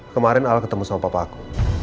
kemarin al ketemu sama papa aku